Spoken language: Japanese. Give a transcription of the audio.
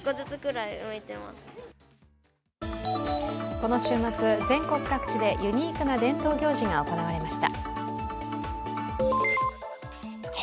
この週末、全国各地でユニークな伝統行事が行われました。